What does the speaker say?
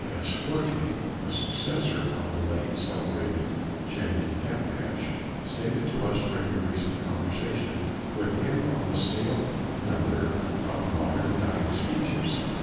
W. S. Fortey, the successor of the late celebrated Jemmy Catnach, stated to us during a recent conversation with him on the sale number of modern dying speeches.